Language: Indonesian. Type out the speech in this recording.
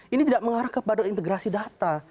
ini tidak mengarah kepada integrasi data